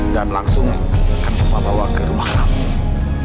dan langsung akan papa bawa ke rumah kamu